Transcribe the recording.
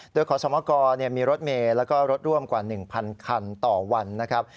โดยขอสมกรมีรถเมย์แล้วก็รถร่วมกว่า๑๐๐คันต่อวันนะครับ